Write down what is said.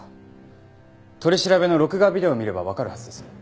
取り調べの録画ビデオを見ればわかるはずです。